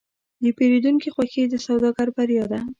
د پیرودونکي خوښي د سوداګر بریا ده.